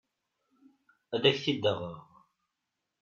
Ad ak-t-id-aɣeɣ.